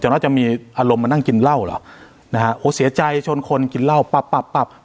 น่าจะมีอารมณ์มานั่งกินเหล้าเหรอนะฮะโอ้เสียใจชนคนกินเหล้าปับปับปับ